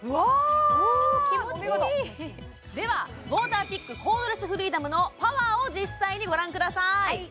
お見事おお気持ちいいではウォーターピックコードレスフリーダムのパワーを実際にご覧ください